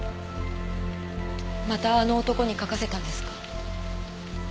またあの男に書かせたんですか？